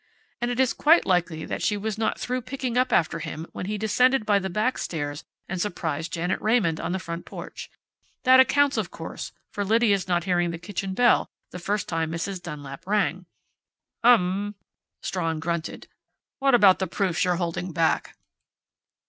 And it is quite likely that she was not through picking up after him when he descended by the back stairs and surprised Janet Raymond on the front porch. That accounts, of course, for Lydia's not hearing the kitchen bell the first time Mrs. Dunlap rang." "Umm," Strawn grunted. "What about the proofs you're holding back?"